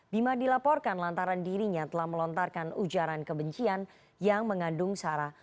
bima dilaporkan lantaran dirinya telah melontarkan ujaran kebencian yang mengandung sara